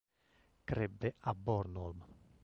Crebbe a Bornholm.